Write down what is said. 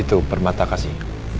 itu permata kasih